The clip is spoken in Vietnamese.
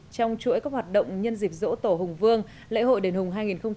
trong chuỗi các hoạt động nhân dịp dỗ tổ hùng vương lễ hội đền hùng hai nghìn hai mươi bốn